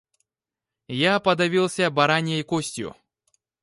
Я подавился бараньей костью.